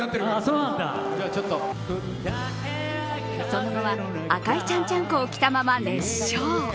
その後は赤いちゃんちゃんこを着たまま熱唱。